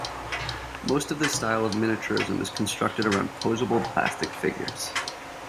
Most of this style of miniaturism is constructed around posable plastic figures.